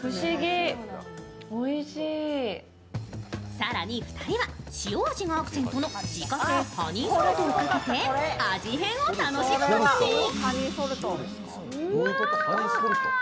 更に２人は塩味がアクセントの自家製ハニーソルトをかけて味変を楽しむことに。